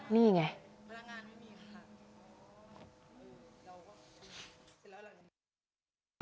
นี่ไง